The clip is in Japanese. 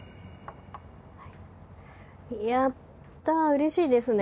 やったうれしいですね。